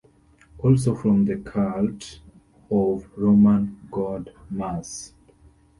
Also from the cult of Roman god Mars.